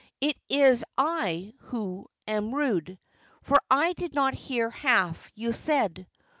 'It is I who am rude, for I did not hear half you said.